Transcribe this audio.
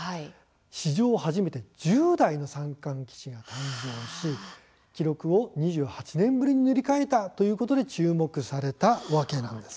史上初めて１０代の三冠棋士が誕生し記録を２８年ぶりに塗り替えたということで注目されたわけなんです。